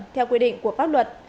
theo quy định của pháp luật